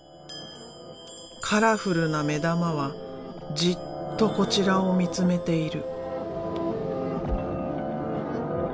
カラフルな目玉はじっとこちらを見つめている。